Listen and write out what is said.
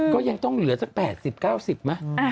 ก็ยังต้องเหลือสัก๘๐๙๐ไหม